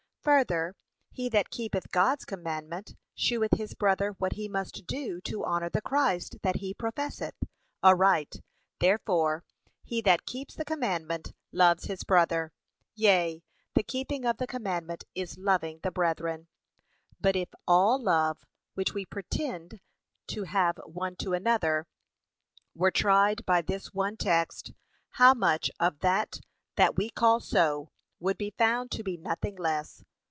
Further, he that keepeth God's commandment sheweth his brother what he must do to honour the Christ that he professeth, aright: therefore, he that keeps the commandment, loves his brother. Yea, the keeping of the commandment is loving the brethren. But if all love, which we pretend to have one to another, were tried by this one text, how much of that that we call so, would be found to be nothing less?